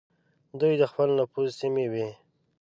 دوی د خپل نفوذ سیمې وې.